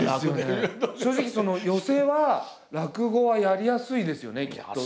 正直寄席は落語はやりやすいですよねきっと。